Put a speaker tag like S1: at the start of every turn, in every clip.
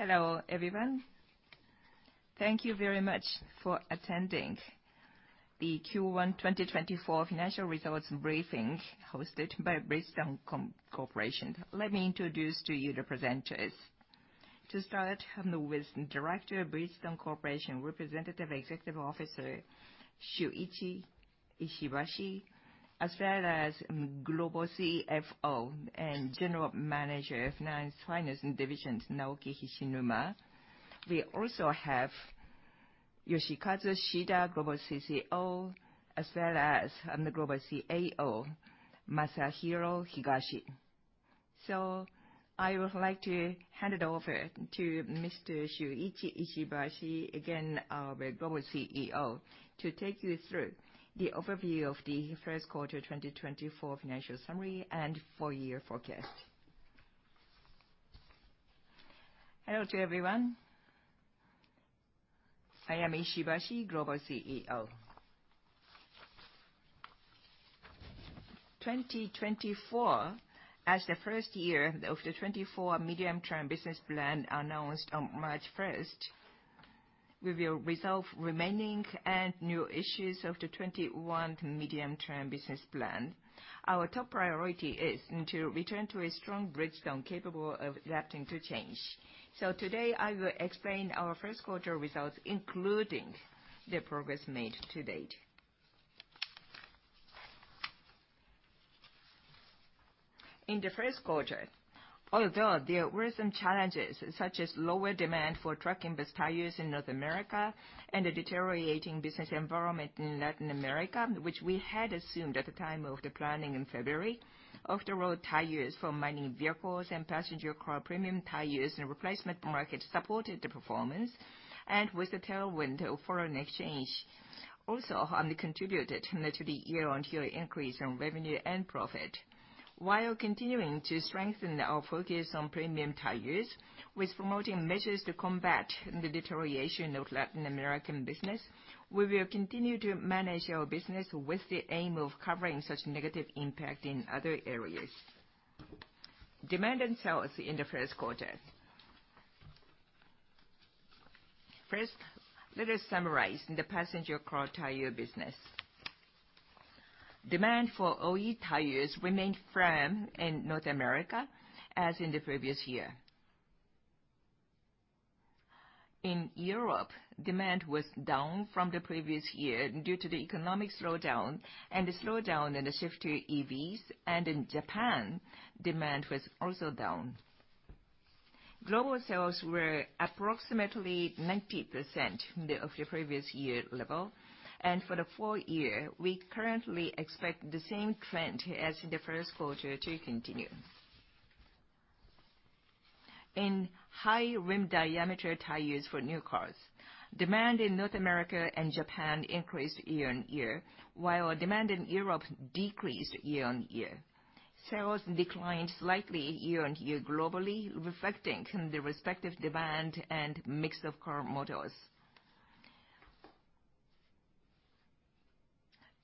S1: Hello everyone. Thank you very much for attending the Q1 2024 Financial Results Briefing hosted by Bridgestone Corporation. Let me introduce to you the presenters. To start, I'm with Director of Bridgestone Corporation, Representative Executive Officer Shuichi Ishibashi, as well as Global CFO and General Manager of the Finance Division, Naoki Hishinuma. We also have Yoshikazu Shida, Global CCO, as well as the Global CAO, Masahiro Higashi. So I would like to hand it over to Mr. Shuichi Ishibashi, again, our Global CEO, to take you through the overview of the first quarter 2024 financial summary and full-year forecast.
S2: Hello to everyone. I am Ishibashi, Global CEO. 2024, as the first year of the 24 Medium-Term Business Plan announced on March 1st, we will resolve remaining and new issues of the 21 Medium-Term Business Plan. Our top priority is to return to a strong Bridgestone capable of adapting to change. Today I will explain our first quarter results, including the progress made to date. In the first quarter, although there were some challenges such as lower demand for truck and bus tires in North America and a deteriorating business environment in Latin America, which we had assumed at the time of the planning in February, off-the-road tires for mining vehicles and passenger car premium tires in the replacement market supported the performance, and with the tailwind of foreign exchange, also, contributed to the year-on-year increase in revenue and profit. While continuing to strengthen our focus on premium tires with promoting measures to combat the deterioration of Latin American business, we will continue to manage our business with the aim of covering such negative impact in other areas. Demand and sales in the first quarter. First, let us summarize the passenger car tire business. Demand for OE tires remained firm in North America as in the previous year. In Europe, demand was down from the previous year due to the economic slowdown and the slowdown in the shift to EVs, and in Japan, demand was also down. Global sales were approximately 90% of the previous year level, and for the full-year, we currently expect the same trend as in the first quarter to continue. In high rim diameter tires for new cars, demand in North America and Japan increased year-on-year, while demand in Europe decreased year-on-year. Sales declined slightly year-on-year globally, reflecting the respective demand and mix of car models.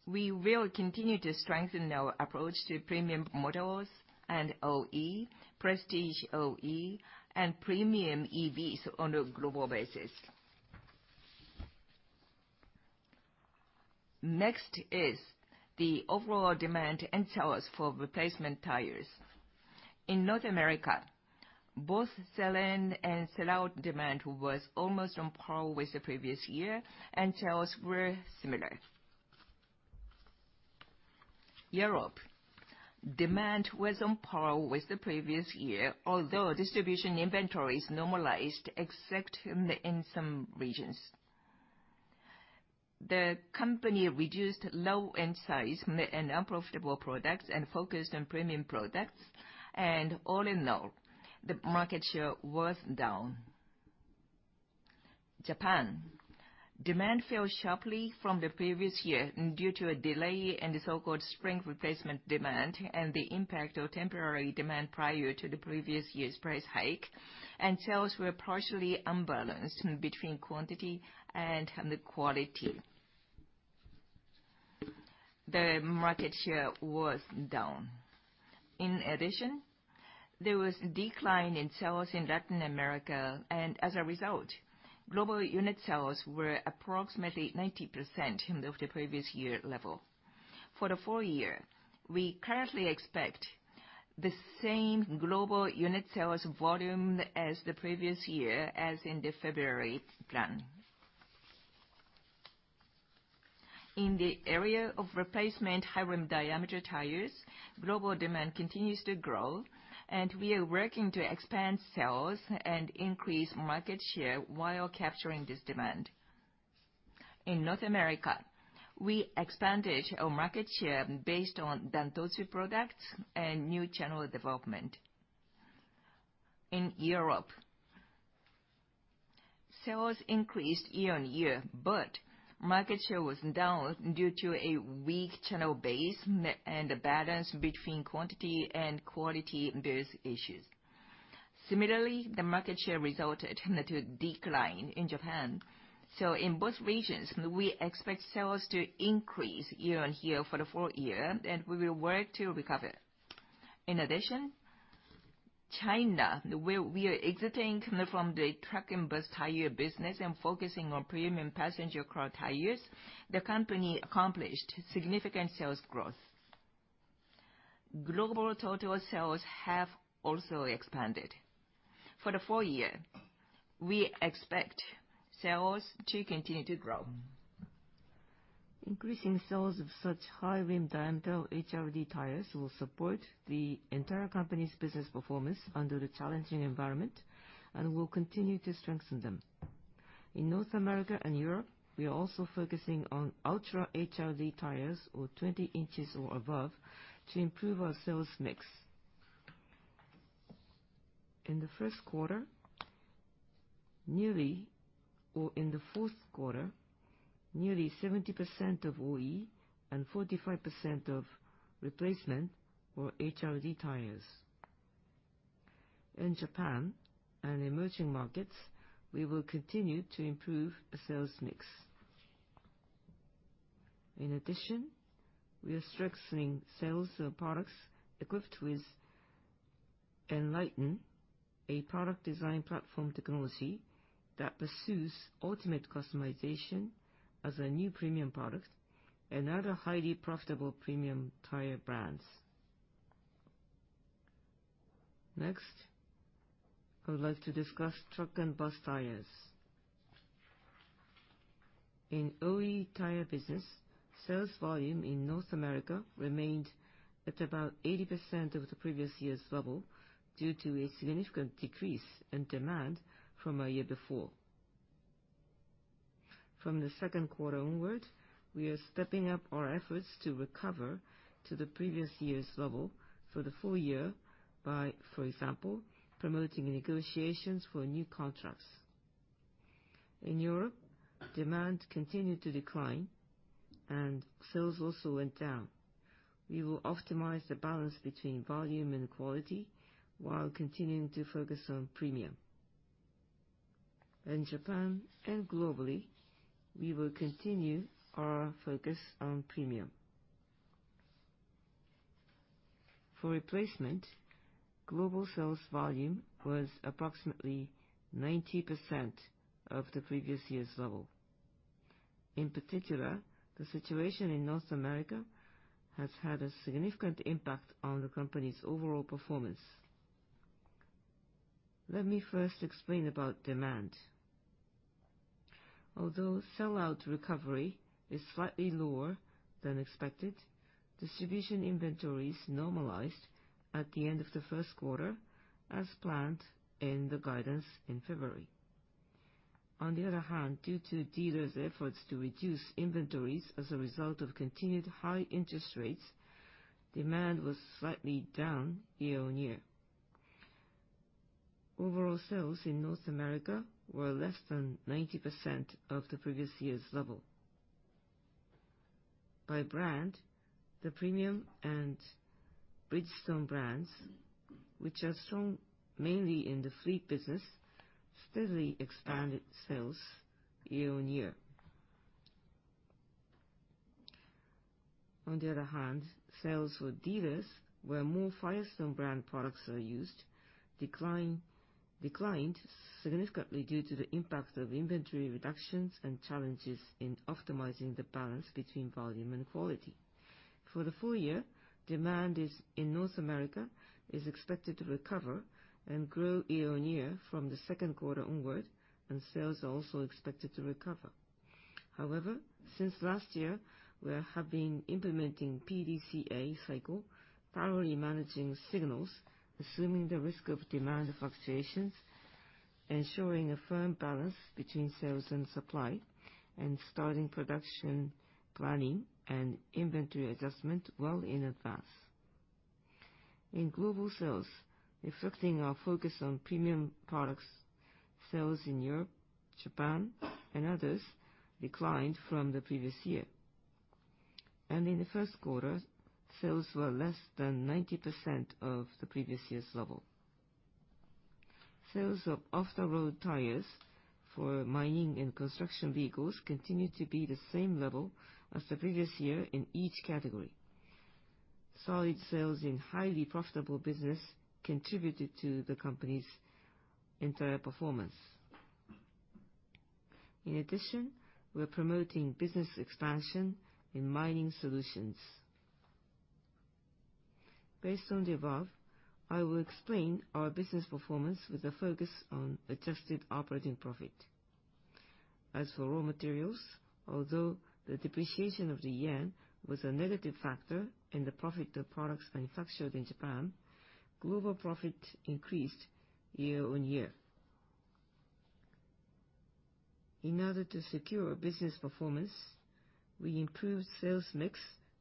S2: We will continue to strengthen our approach to premium models and OE, prestige OE, and premium EVs on a global basis. Next is the overall demand and sales for replacement tires. In North America, both sell-in and sell-out demand was almost on par with the previous year, and sales were similar. Europe, demand was on par with the previous year, although distribution inventories normalized, except in some regions. The company reduced low-end size and unprofitable products and focused on premium products, and all in all, the market share was down. Japan, demand fell sharply from the previous year due to a delay in the so-called spring replacement demand and the impact of temporary demand prior to the previous year's price hike, and sales were partially unbalanced between quantity and quality. The market share was down. In addition, there was a decline in sales in Latin America, and as a result, global unit sales were approximately 90% of the previous year level. For the full-year, we currently expect the same global unit sales volume as the previous year, as in the February plan. In the area of replacement high-rim diameter tires, global demand continues to grow, and we are working to expand sales and increase market share while capturing this demand. In North America, we expanded our market share based on Dan-Totsu products and new channel development. In Europe, sales increased year-on-year, but market share was down due to a weak channel base and a balance between quantity and quality-based issues. Similarly, the market share resulted in a decline. In Japan, so in both regions, we expect sales to increase year-on-year for the full-year, and we will work to recover. In addition, China, where we are exiting from the truck and bus tire business and focusing on premium passenger car tires, the company accomplished significant sales growth. Global total sales have also expanded. For the full-year, we expect sales to continue to grow. Increasing sales of such high-rim diameter HRD tires will support the entire company's business performance under the challenging environment and will continue to strengthen them. In North America and Europe, we are also focusing on ultra HRD tires, or 20 inches or above, to improve our sales mix. In the first quarter, nearly or in the fourth quarter, nearly 70% of OE and 45% of replacement, or HRD tires. In Japan and emerging markets, we will continue to improve the sales mix. In addition, we are strengthening sales of products equipped with ENLITEN, a product design platform technology that pursues ultimate customization as a new premium product, and other highly profitable premium tire brands. Next, I would like to discuss truck and bus tires. In OE tire business, sales volume in North America remained at about 80% of the previous year's level due to a significant decrease in demand from a year before. From the second quarter onward, we are stepping up our efforts to recover to the previous year's level for the full year by, for example, promoting negotiations for new contracts. In Europe, demand continued to decline, and sales also went down. We will optimize the balance between volume and quality while continuing to focus on premium. In Japan and globally, we will continue our focus on premium. For replacement, global sales volume was approximately 90% of the previous year's level. In particular, the situation in North America has had a significant impact on the company's overall performance. Let me first explain about demand. Although sell-out recovery is slightly lower than expected, distribution inventories normalized at the end of the first quarter as planned in the guidance in February. On the other hand, due to dealers' efforts to reduce inventories as a result of continued high interest rates, demand was slightly down year-on-year. Overall sales in North America were less than 90% of the previous year's level. By brand, the premium and Bridgestone brands, which are strong mainly in the fleet business, steadily expanded sales year-on-year. On the other hand, sales for dealers where more Firestone brand products are used declined significantly due to the impact of inventory reductions and challenges in optimizing the balance between volume and quality. For the full year, demand in North America is expected to recover and grow year-on-year from the second quarter onward, and sales are also expected to recover. However, since last year, we have been implementing PDCA cycle, thoroughly managing signals, assuming the risk of demand fluctuations, ensuring a firm balance between sales and supply, and starting production planning and inventory adjustment well in advance. In global sales, reflecting our focus on premium products, sales in Europe, Japan, and others declined from the previous year. In the first quarter, sales were less than 90% of the previous year's level. Sales of off-the-road tires for mining and construction vehicles continue to be the same level as the previous year in each category. Solid sales in highly profitable business contributed to the company's entire performance. In addition, we are promoting business expansion in mining solutions. Based on the above, I will explain our business performance with a focus on adjusted operating profit. As for raw materials, although the depreciation of the yen was a negative factor in the profit of products manufactured in Japan, global profit increased year on year. In order to secure business performance, we improved sales mix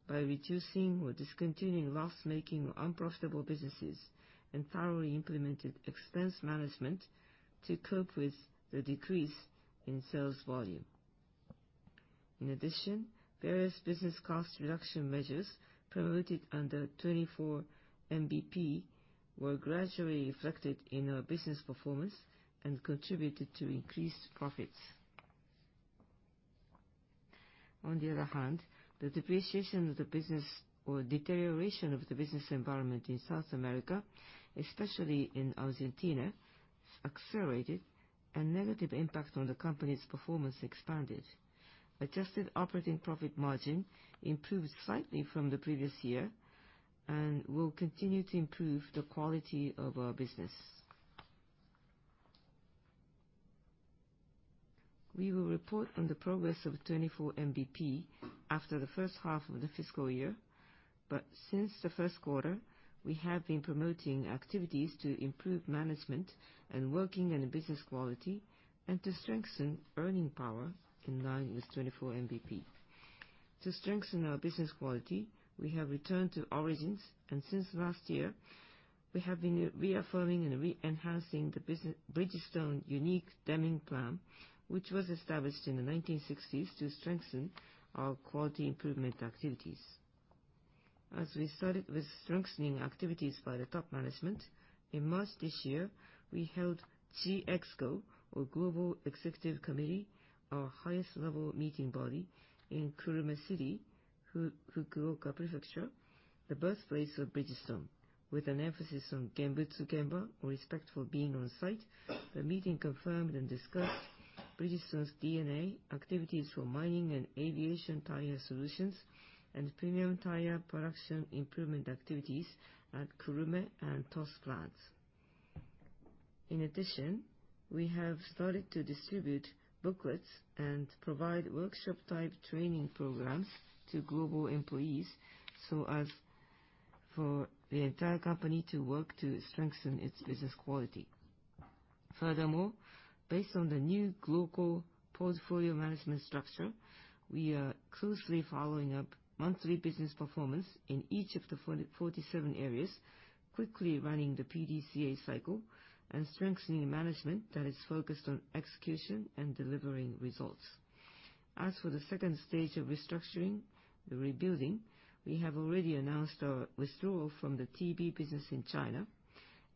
S2: by reducing or discontinuing loss-making or unprofitable businesses and thoroughly implemented expense management to cope with the decrease in sales volume. In addition, various business cost reduction measures promoted under 24 MBP were gradually reflected in our business performance and contributed to increased profits. On the other hand, the depreciation of the business or deterioration of the business environment in South America, especially in Argentina, accelerated, and negative impact on the company's performance expanded. Adjusted operating profit margin improved slightly from the previous year and will continue to improve the quality of our business. We will report on the progress of 24 MBP after the first half of the fiscal year, but since the first quarter, we have been promoting activities to improve management and working and business quality and to strengthen earning power in line with 24 MBP. To strengthen our business quality, we have returned to origins, and since last year, we have been reaffirming and re-enhancing the business Bridgestone Deming Plan, which was established in the 1960s to strengthen our quality improvement activities. As we started with strengthening activities by the top management, in March this year, we held GEXCO, or Global Executive Committee, our highest-level meeting body in Kurume City, Fukuoka Prefecture, the birthplace of Bridgestone, with an emphasis on Genbutsu-Genba, or respectful being on site. The meeting confirmed and discussed Bridgestone's DNA activities for mining and aviation tire solutions and premium tire production improvement activities at Kurume and Tosu plants. In addition, we have started to distribute booklets and provide workshop-type training programs to global employees so as for the entire company to work to strengthen its business quality. Furthermore, based on the new global portfolio management structure, we are closely following up monthly business performance in each of the 47 areas, quickly running the PDCA cycle, and strengthening management that is focused on execution and delivering results. As for the second stage of restructuring, the rebuilding, we have already announced our withdrawal from the TB business in China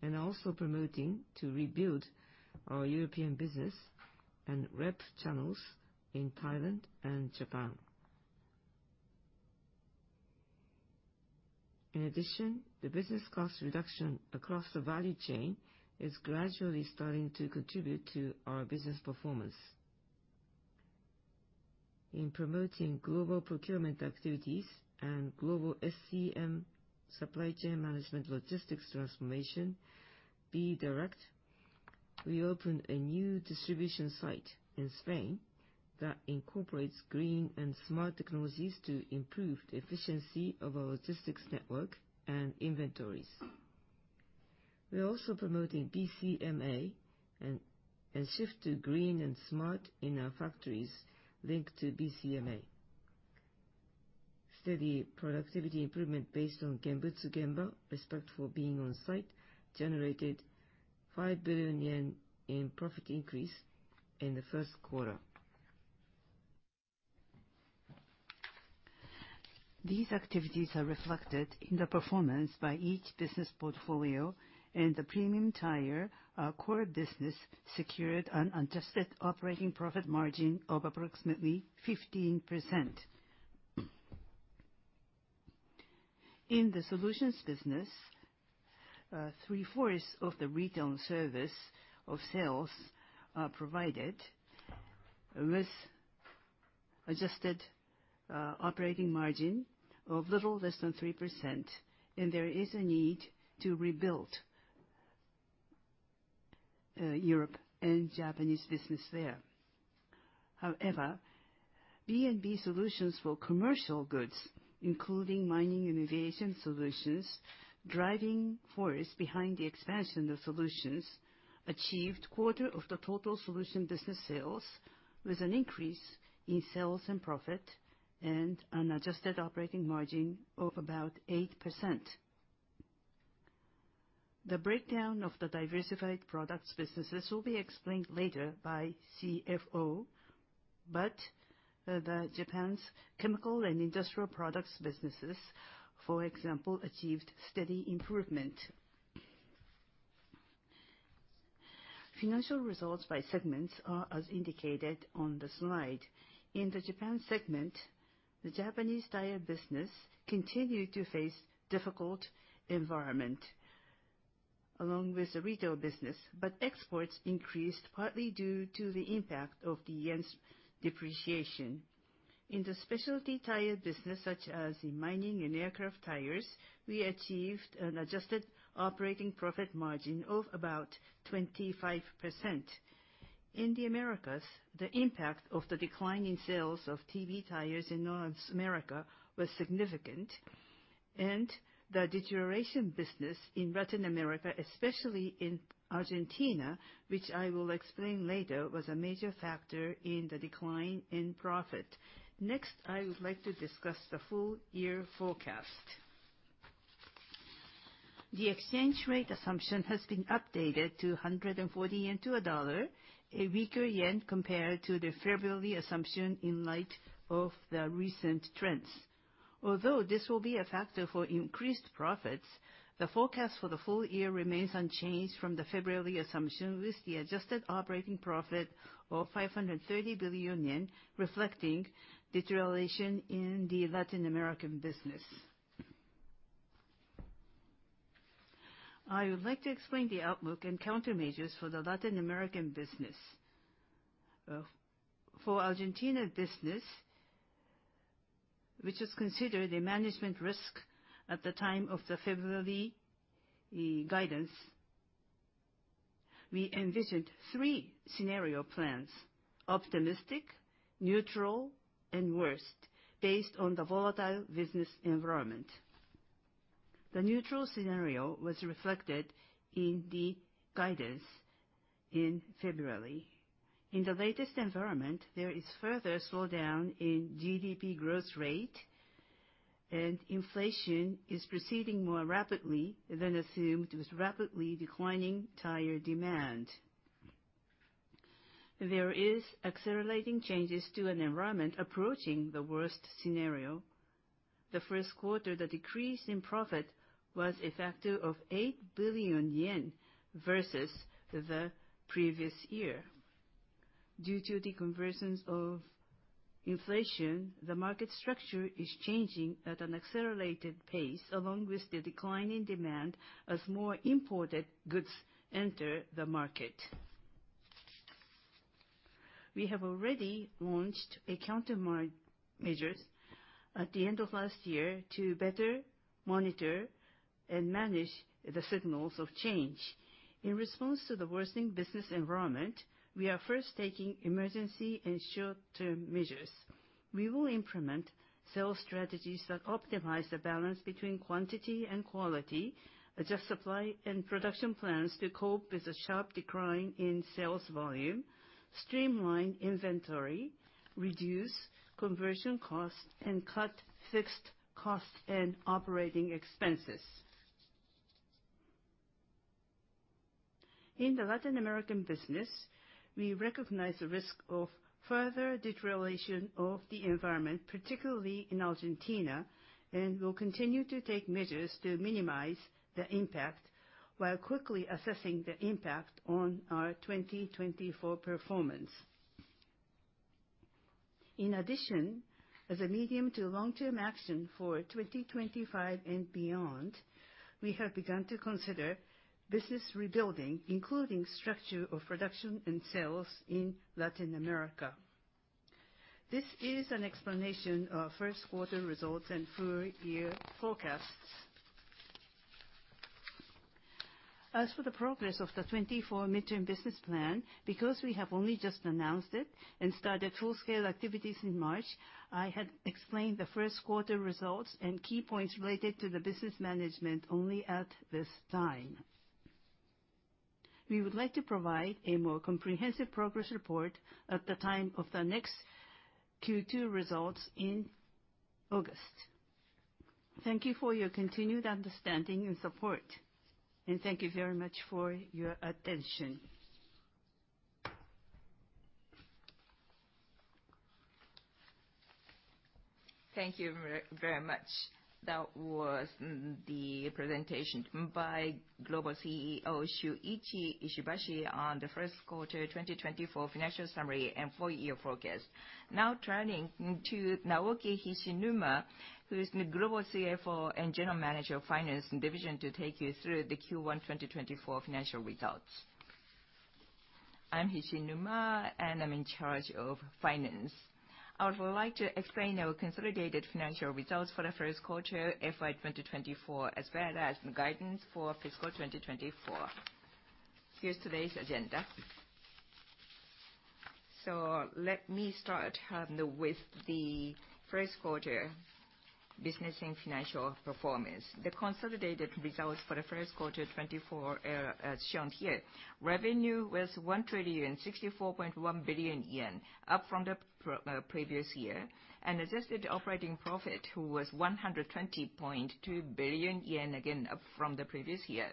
S2: and also promoting to rebuild our European business and retail channels in Thailand and Japan. In addition, the business cost reduction across the value chain is gradually starting to contribute to our business performance. In promoting global procurement activities and global SCM, supply chain management logistics transformation, B-Direct, we opened a new distribution site in Spain that incorporates Green and Smart technologies to improve the efficiency of our logistics network and inventories. We are also promoting BCMA and shift to Green and Smart in our factories linked to BCMA. Steady productivity improvement based on Genbutsu-Genba, respectful being on site, generated 5 billion yen in profit increase in the first quarter. These activities are reflected in the performance by each business portfolio, and the premium tire, core business secured an adjusted operating profit margin of approximately 15%. In the solutions business, 3/4 of the retail service of sales, provided with adjusted, operating margin of a little less than 3%, and there is a need to rebuild, Europe and Japanese business there. However, B2B Solutions for commercial goods, including mining and aviation solutions, driving force behind the expansion of solutions, achieved quarter of the total solution business sales with an increase in sales and profit and an adjusted operating margin of about 8%. The breakdown of the diversified products businesses will be explained later by CFO, but, Japan's chemical and industrial products businesses, for example, achieved steady improvement. Financial results by segments are as indicated on the slide. In the Japan segment, the Japanese tire business continued to face difficult environment along with the retail business, but exports increased partly due to the impact of the yen's depreciation. In the specialty tire business, such as in mining and aircraft tires, we achieved an adjusted operating profit margin of about 25%. In the Americas, the impact of the decline in sales of TB tires in North America was significant, and the deteriorating business in Latin America, especially in Argentina, which I will explain later, was a major factor in the decline in profit. Next, I would like to discuss the full year forecast. The exchange rate assumption has been updated to 140 yen to a USD, a weaker yen compared to the February assumption in light of the recent trends. Although this will be a factor for increased profits, the forecast for the full year remains unchanged from the February assumption with the adjusted operating profit of 530 billion yen reflecting deterioration in the Latin American business. I would like to explain the outlook and countermeasures for the Latin American business. the Argentina business, which was considered a management risk at the time of the February guidance, we envisioned three scenario plans: optimistic, neutral, and worst, based on the volatile business environment. The neutral scenario was reflected in the guidance in February. In the latest environment, there is further slowdown in GDP growth rate, and inflation is proceeding more rapidly than assumed with rapidly declining tire demand. There are accelerating changes to an environment approaching the worst scenario. In the first quarter, the decrease in profit was a factor of 8 billion yen versus the previous year. Due to the consequences of inflation, the market structure is changing at an accelerated pace along with the declining demand as more imported goods enter the market. We have already launched countermeasures at the end of last year to better monitor and manage the signals of change. In response to the worsening business environment, we are first taking emergency and short-term measures. We will implement sales strategies that optimize the balance between quantity and quality, adjust supply and production plans to cope with a sharp decline in sales volume, streamline inventory, reduce conversion costs, and cut fixed costs and operating expenses. In the Latin American business, we recognize the risk of further deterioration of the environment, particularly in Argentina, and will continue to take measures to minimize the impact while quickly assessing the impact on our 2024 performance. In addition, as a medium to long-term action for 2025 and beyond, we have begun to consider business rebuilding, including structure of production and sales in Latin America. This is an explanation of first-quarter results and full-year forecasts. As for the progress of the 24 Medium-Term Business Plan, because we have only just announced it and started full-scale activities in March, I had explained the first-quarter results and key points related to the business management only at this time. We would like to provide a more comprehensive progress report at the time of the next Q2 results in August. Thank you for your continued understanding and support, and thank you very much for your attention.
S3: Thank you very much. That was the presentation by Global CEO Shuichi Ishibashi on the first quarter 2024 financial summary and full-year forecast. Now turning to Naoki Hishinuma, who is the Global CFO and general manager of Finance Division, to take you through the Q1 2024 financial results.
S4: I'm Hishinuma, and I'm in charge of finance. I would like to explain our consolidated financial results for the first quarter, FY 2024, as well as the guidance for fiscal 2024. Here's today's agenda. Let me start with the first quarter business and financial performance. The consolidated results for the first quarter 2024 are, as shown here. Revenue was 1,064.1 billion yen, up from the previous year, and adjusted operating profit was 120.2 billion yen, again, up from the previous year.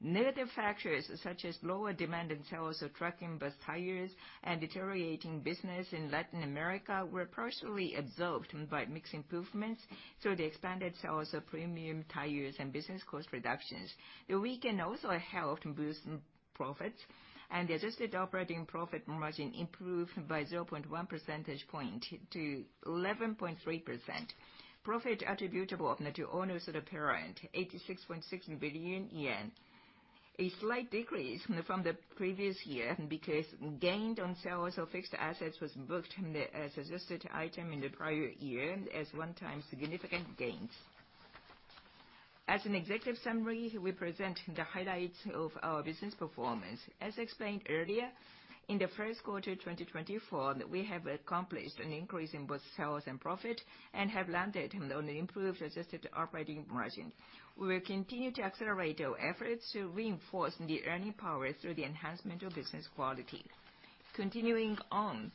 S4: Negative factors such as lower demand and sales of truck and bus tires and deteriorating business in Latin America were partially absorbed by mix improvements, such as expanded sales of premium tires and business cost reductions. The weak yen also helped boost profits, and the adjusted operating profit margin improved by 0.1 percentage point to 11.3%. Profit attributable to the owners of the parent, 86.6 billion yen. A slight decrease from the previous year because gains on sales of fixed assets was booked as an adjusted item in the prior year as one-time significant gains. As an executive summary, we present the highlights of our business performance. As explained earlier, in the first quarter 2024, we have accomplished an increase in both sales and profit and have landed on an improved adjusted operating margin. We will continue to accelerate our efforts to reinforce the earning power through the enhancement of business quality. Continuing on,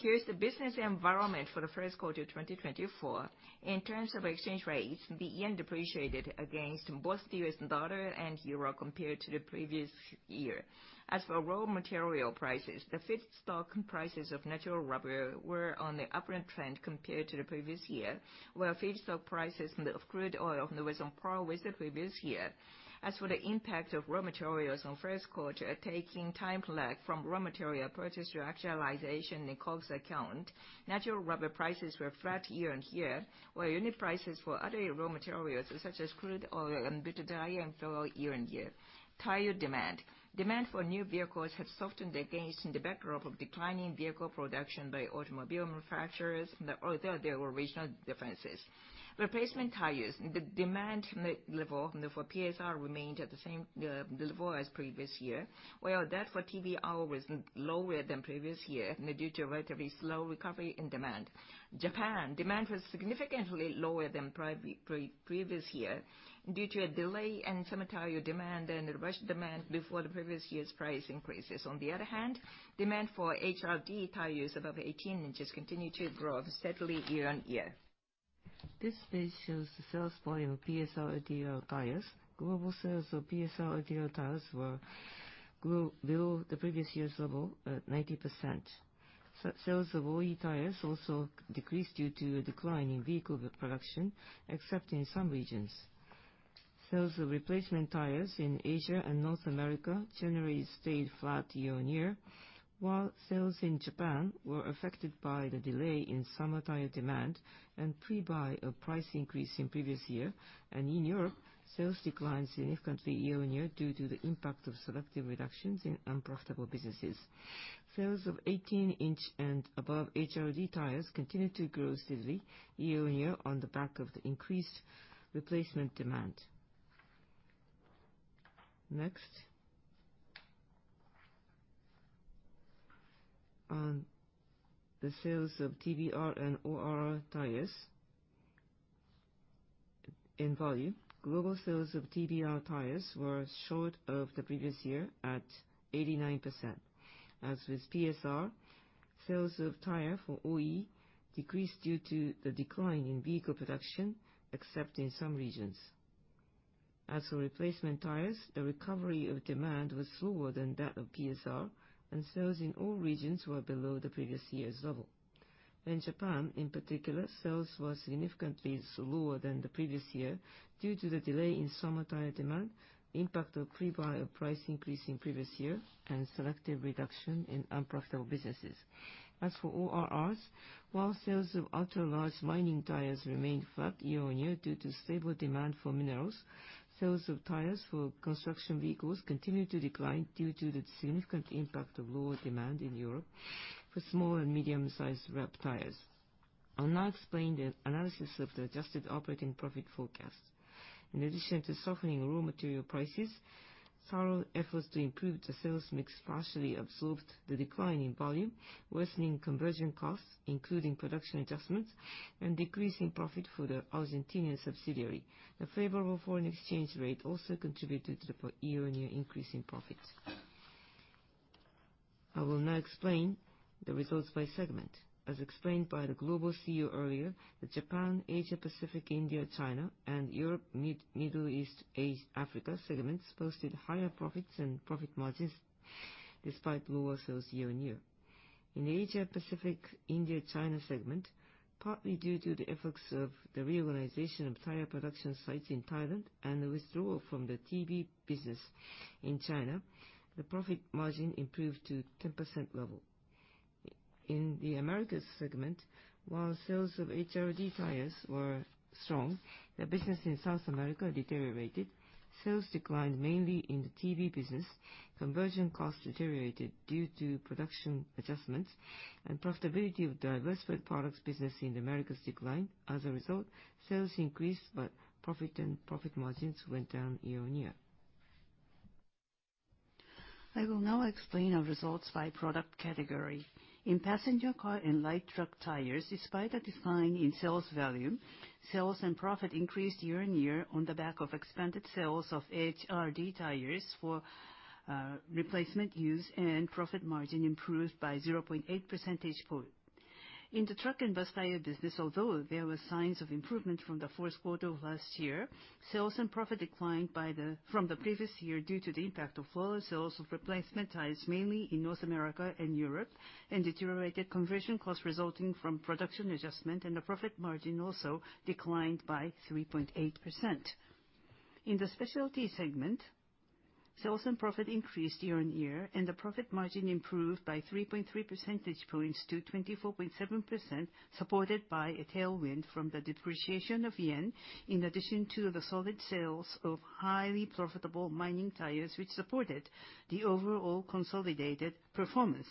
S4: here's the business environment for the first quarter 2024. In terms of exchange rates, the yen depreciated against both the U.S. dollar and euro compared to the previous year. As for raw material prices, the feedstock prices of natural rubber were on the upward trend compared to the previous year, while feedstock prices of crude oil were on par with the previous year. As for the impact of raw materials on first quarter, taking time lag from raw material purchase to actualization in COGS account, natural rubber prices were flat year-on-year, while unit prices for other raw materials such as crude oil and butadiene and full year-on-year. Tire demand. Demand for new vehicles had softened against the backdrop of declining vehicle production by automobile manufacturers, although there were regional differences. Replacement tires, the demand level for PSR remained at the same level as previous year, while that for TBR was lower than previous year, due to relatively slow recovery in demand. Japan, demand was significantly lower than previous year due to a delay in seasonal tire demand and rush demand before the previous year's price increases. On the other hand, demand for HRD tires above 18 inches continued to grow steadily year-on-year. This phase shows the sales volume of PSR and LTR tires. Global sales of PSR and LTR tires were below the previous year's level, 90%. Sales of OE tires also decreased due to a decline in vehicle production, except in some regions. Sales of replacement tires in Asia and North America generally stayed flat year-on-year, while sales in Japan were affected by the delay in seasonal tire demand and pre-buy of price increase in previous year. In Europe, sales declined significantly year-on-year due to the impact of selective reductions in unprofitable businesses. Sales of 18-inch and above HRD tires continued to grow steadily year-on-year on the back of the increased replacement demand. Next. On the sales of TBR and ORR tires in volume, global sales of TBR tires were short of the previous year at 89%. As with PSR, sales of tires for OE decreased due to the decline in vehicle production, except in some regions. As for replacement tires, the recovery of demand was slower than that of PSR, and sales in all regions were below the previous year's level. In Japan, in particular, sales were significantly lower than the previous year due to the delay in summer tire demand, impact of pre-buy of price increase in previous year, and selective reduction in unprofitable businesses. As for ORRs, while sales of ultra-large mining tires remained flat year-on-year due to stable demand for minerals, sales of tires for construction vehicles continued to decline due to the significant impact of lower demand in Europe for small and medium-sized ORR tires. I'll now explain the analysis of the adjusted operating profit forecast. In addition to softening raw material prices, thorough efforts to improve the sales mix partially absorbed the decline in volume, worsening conversion costs, including production adjustments, and decreasing profit for the Argentine subsidiary. A favorable foreign exchange rate also contributed to the FY year-on-year increase in profit. I will now explain the results by segment. As explained by the global CEO earlier, the Japan, Asia Pacific India China, and Europe, Middle East, Africa segments posted higher profits and profit margins despite lower sales year-on-year. In the Asia Pacific India China segment, partly due to the efforts of the reorganization of tire production sites in Thailand and the withdrawal from the TB business in China, the profit margin improved to 10% level. In the Americas segment, while sales of HRD tires were strong, the business in South America deteriorated. Sales declined mainly in the TB business. Conversion costs deteriorated due to production adjustments, and profitability of diversified products business in the Americas declined. As a result, sales increased but profit and profit margins went down year on year.
S5: I will now explain our results by product category. In passenger car and light truck tires, despite a decline in sales volume, sales and profit increased year-over-year on the back of expanded sales of HRD tires for replacement use, and profit margin improved by 0.8 percentage point. In the truck and bus tire business, although there were signs of improvement from the fourth quarter of last year, sales and profit declined from the previous year due to the impact of lower sales of replacement tires mainly in North America and Europe, and deteriorated conversion costs resulting from production adjustment, and the profit margin also declined by 3.8%. In the specialty segment, sales and profit increased year-on-year, and the profit margin improved by 3.3 percentage points to 24.7%, supported by a tailwind from the depreciation of yen, in addition to the solid sales of highly profitable mining tires, which supported the overall consolidated performance.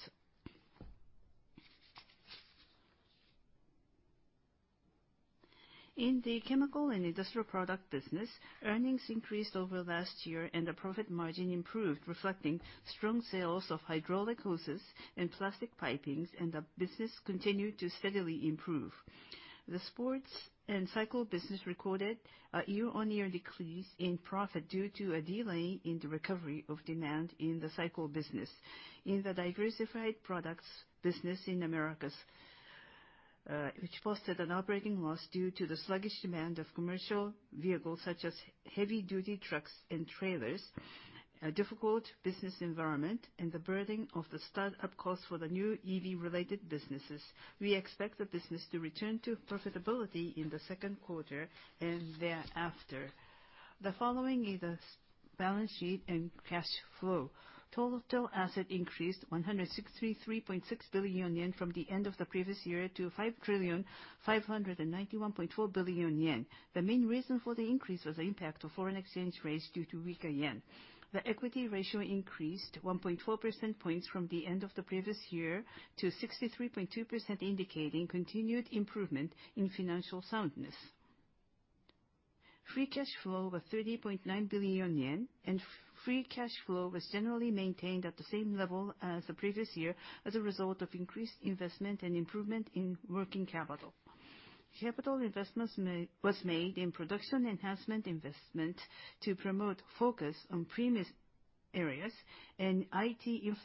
S5: In the chemical and industrial product business, earnings increased over last year, and the profit margin improved, reflecting strong sales of hydraulic hoses and plastic pipings, and the business continued to steadily improve. The sports and cycle business recorded a year-on-year decrease in profit due to a delay in the recovery of demand in the cycle business. In the diversified products business in Americas, which posted an operating loss due to the sluggish demand of commercial vehicles such as heavy-duty trucks and trailers, a difficult business environment, and the burden of the startup costs for the new EV-related businesses, we expect the business to return to profitability in the second quarter and thereafter. The following is the balance sheet and cash flow. Total assets increased 163.6 billion yen from the end of the previous year to 5,591.4 billion yen. The main reason for the increase was the impact of foreign exchange rates due to weaker yen. The equity ratio increased 1.4 percentage points from the end of the previous year to 63.2%, indicating continued improvement in financial soundness. Free cash flow was 30.9 billion yen, and free cash flow was generally maintained at the same level as the previous year as a result of increased investment and improvement in working capital. Capital investments mainly was made in production enhancement investment to promote focus on premium areas and IT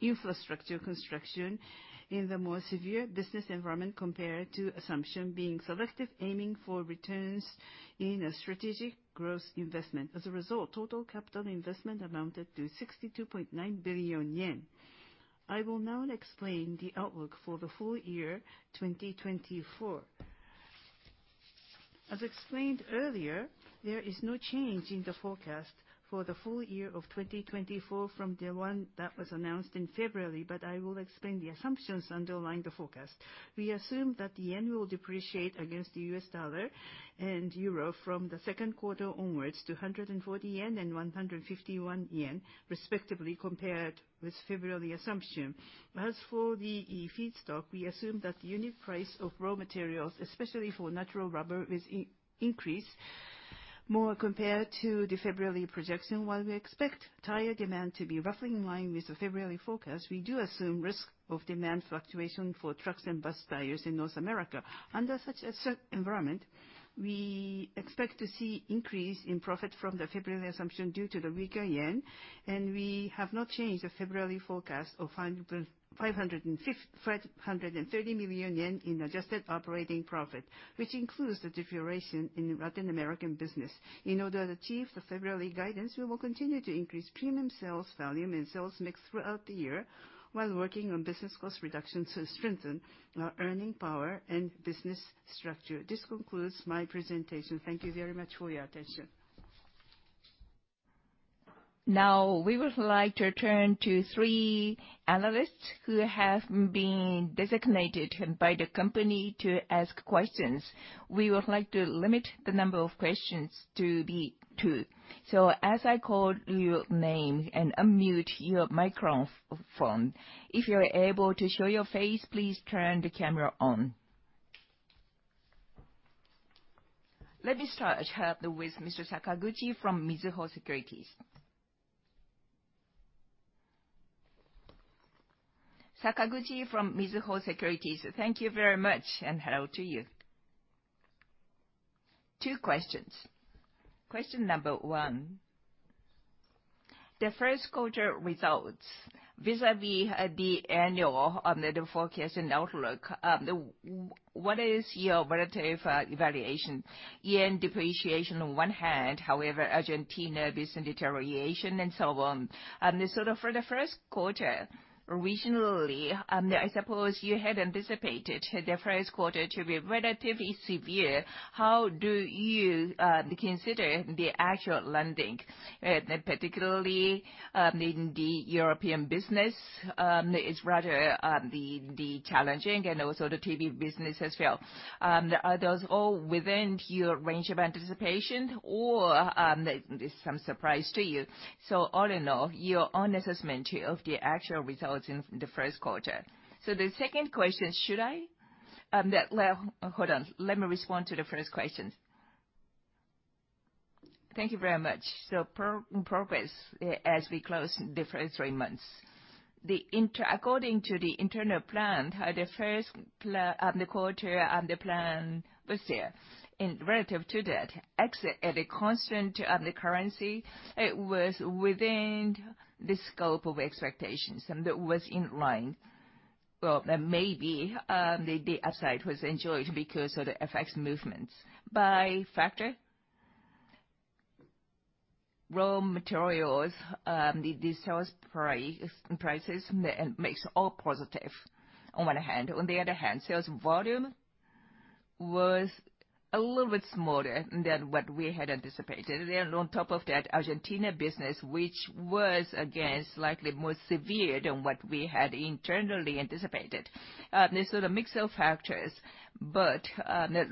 S5: infrastructure construction in the more severe business environment compared to assumptions being selective, aiming for returns in a strategic growth investment. As a result, total capital investment amounted to 62.9 billion yen. I will now explain the outlook for the full year 2024. As explained earlier, there is no change in the forecast for the full year of 2024 from the one that was announced in February, but I will explain the assumptions underlying the forecast. We assume that the yen will depreciate against the U.S. dollar and euro from the second quarter onwards to 140 yen and 151 yen, respectively, compared with February assumption. As for the feedstock, we assume that the unit price of raw materials, especially for natural rubber, is increased more compared to the February projection. While we expect tire demand to be roughly in line with the February forecast, we do assume risk of demand fluctuation for trucks and bus tires in North America. Under such an environment, we expect to see increase in profit from the February assumption due to the weaker yen, and we have not changed the February forecast of 550-530 billion yen in adjusted operating profit, which includes the deterioration in Latin American business. In order to achieve the February guidance, we will continue to increase premium sales volume and sales mix throughout the year while working on business cost reduction to strengthen earning power and business structure. This concludes my presentation. Thank you very much for your attention.
S3: Now, we would like to turn to three analysts who have been designated by the company to ask questions. We would like to limit the number of questions to be two. So as I call your name and unmute your microphone, if you're able to show your face, please turn the camera on. Let me start with Mr. Sakaguchi from Mizuho Securities. Sakaguchi from Mizuho Securities.
S6: Thank you very much, and hello to you. Two questions. Question number one. The first quarter results vis-à-vis the annual forecast and outlook, what is your relative evaluation? Yen depreciation on one hand, however, Argentina business deterioration, and so on. So for the first quarter, regionally, I suppose you had anticipated the first quarter to be relatively severe. How do you consider the actual landing, particularly in the European business? It's rather challenging, and also the TB business has failed. Are those all within your range of anticipation, or is some surprise to you? So all in all, your own assessment of the actual results in the first quarter. So the second question, should I?
S4: Well, hold on. Let me respond to the first question. Thank you very much. So progress, as we close the first three months. The internal according to the internal plan, the first plan the quarter, the plan was there. And relative to that, exit at a constant, the currency, it was within the scope of expectations, that was in line. Well, maybe, the, the upside was enjoyed because of the FX movements. Buy factor. Raw materials, the, the sales price prices, makes all positive on one hand. On the other hand, sales volume was a little bit smaller than what we had anticipated. And on top of that, Argentina business, which was, again, slightly more severe than what we had internally anticipated. It's sort of a mix of factors, but,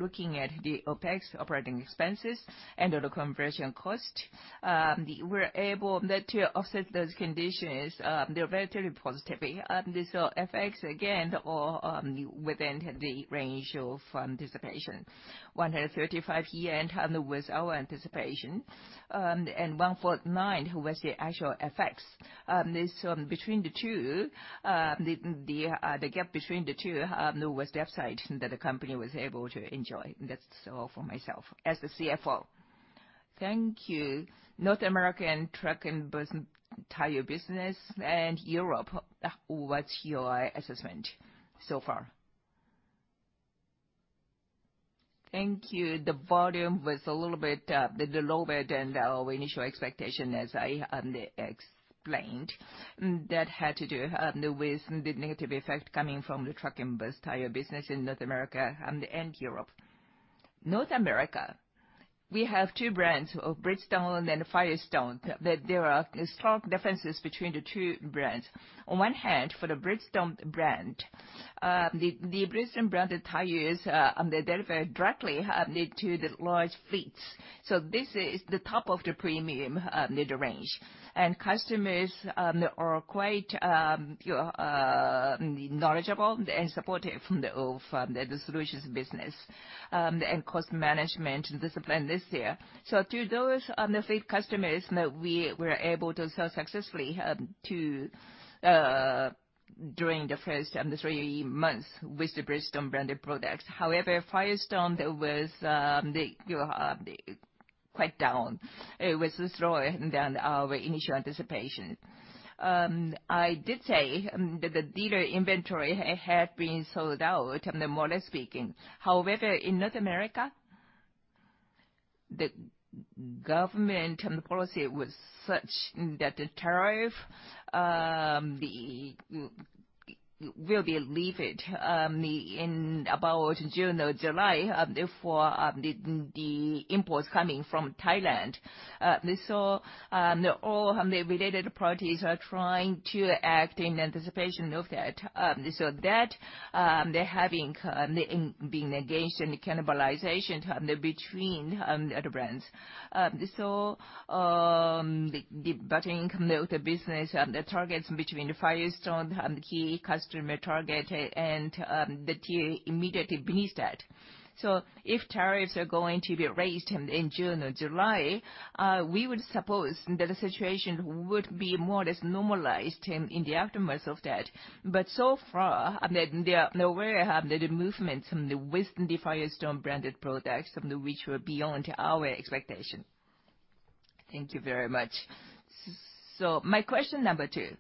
S4: looking at the OpEx operating expenses and other conversion costs, we're able to offset those conditions; they're relatively positively. So FX, again, all within the range of anticipation. 135 yen was our anticipation, and 149 JPY was the actual FX. It's between the two; the gap between the two was the upside that the company was able to enjoy. That's all for myself as the CFO.
S6: Thank you. North American truck and bus tire business and Europe, what's your assessment so far?
S4: Thank you. The volume was a little bit lower than our initial expectation as I explained. That had to do with the negative effect coming from the truck and bus tire business in North America, and Europe.
S2: North America, we have two brands, Bridgestone and Firestone. There are strong differences between the two brands. On one hand, for the Bridgestone brand, the, the Bridgestone branded tires are, they deliver directly, to the large fleets. So this is the top of the premium, mid-range. And customers, are quite, you know, knowledgeable and supportive from the of, the, the solutions business, and cost management discipline this year. So to those, the fleet customers that we were able to sell successfully, to, during the first, three months with the Bridgestone branded products. However, Firestone, there was, the, you know, the quite down. It was slower than our initial anticipation. I did say, that the dealer inventory had been sold out, more or less speaking. However, in North America, the government policy was such that the tariff will be lifted in about June, July, for the imports coming from Thailand. So all the related parties are trying to act in anticipation of that. So that they're having the in being engaged in cannibalization between the other brands. So the bottom income of the business, the targets between Firestone, the key customer target, and the T immediately beneath that. So if tariffs are going to be raised in June, July, we would suppose that the situation would be more or less normalized in the aftermath of that. But so far, there were the movements with the Firestone branded products, which were beyond our expectation.
S6: Thank you very much. So my question number two.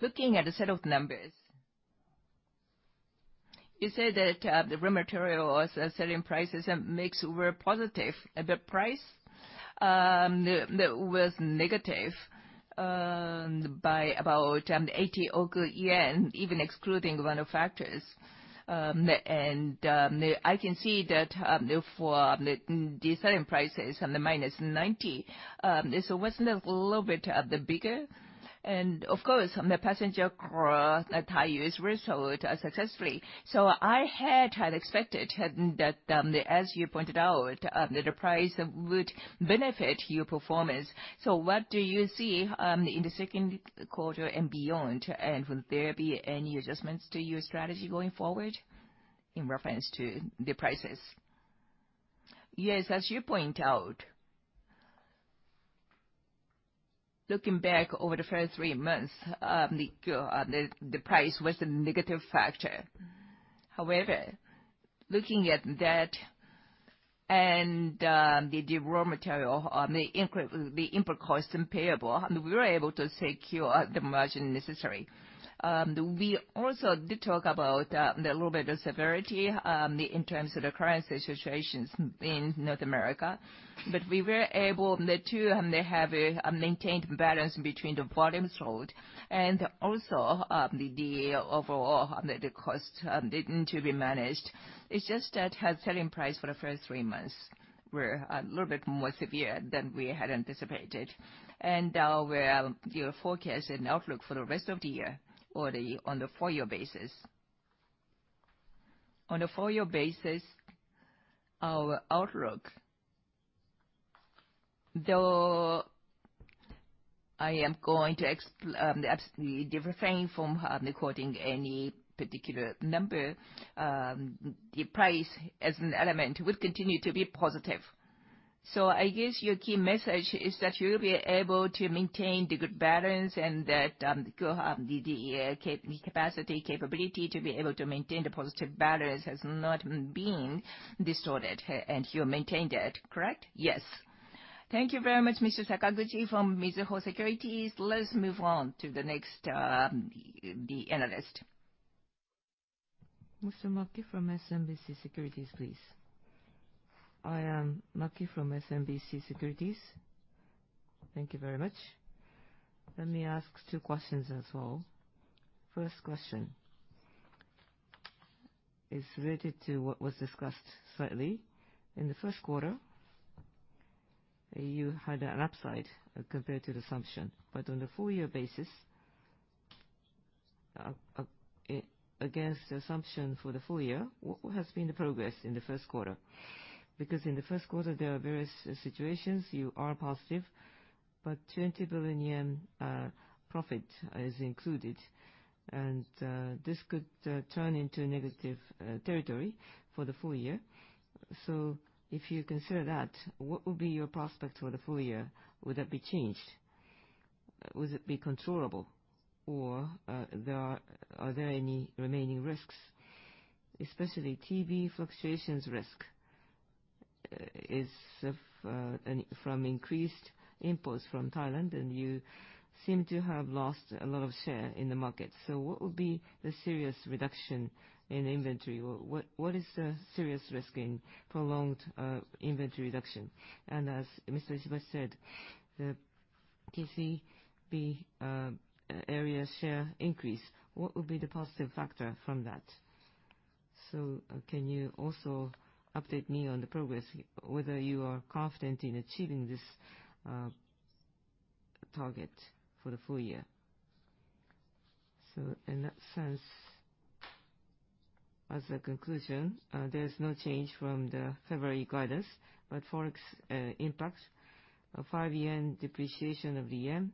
S6: Looking at a set of numbers. You said that the raw materials, selling prices, mix were positive, but the price was negative by about 8 billion yen, even excluding manufacturers. I can see that for the selling prices, the minus 90 billion, so wasn't it a little bit bigger? And of course, the passenger car tire is resolved successfully. So I had expected that, as you pointed out, that the price would benefit your performance. So what do you see in the second quarter and beyond, and will there be any adjustments to your strategy going forward in reference to the prices?
S2: Yes, as you point out. Looking back over the first three months, the price was a negative factor. However, looking at that and the raw material, the input, the import costs unpayable, we were able to secure the margin necessary. We also did talk about a little bit of severity in terms of the currency situations in North America, but we were able to maintain balance between the volume sold and also the overall cost needed to be managed. It's just that selling price for the first three months were a little bit more severe than we had anticipated. And our forecast and outlook for the rest of the year or on the full-year basis. On the full-year basis, our outlook. Though I am going to abstain from quoting any particular number, the price as an element would continue to be positive.
S6: So I guess your key message is that you'll be able to maintain the good balance and that, you know, the capacity, capability to be able to maintain the positive balance has not been distorted, and you maintained that, correct?
S2: Yes. Thank you very much, Mr. Sakaguchi, from Mizuho Securities. Let's move on to the next analyst.
S3: Mr. Maki from SMBC Nikko Securities, please.
S7: Hi, Maki from SMBC Nikko Securities. Thank you very much. Let me ask two questions as well. First question. It's related to what was discussed slightly. In the first quarter, you had an upside, compared to the assumption, but on the full-year basis, against the assumption for the full year, what has been the progress in the first quarter? Because in the first quarter, there are various situations. You are positive, but 20 billion yen profit is included, and this could turn into negative territory for the full year. So if you consider that, what would be your prospect for the full year? Would that be changed? Would it be controllable? Or are there any remaining risks, especially TBR fluctuation risks? Is from increased imports from Thailand, and you seem to have lost a lot of share in the market. So what would be the serious reduction in inventory? What is the serious risk in prolonged inventory reduction? And as Mr. Ishibashi said, the TBR area share increase, what would be the positive factor from that? So, can you also update me on the progress, whether you are confident in achieving this target for the full year?
S4: So in that sense, as a conclusion, there's no change from the February guidance, but forex impact, 5-yen depreciation of the yen,